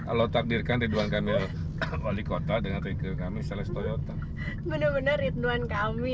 alo takdirkan ridwan kamil wali kota dengan rike kami seles toyota bener bener ridwan kamil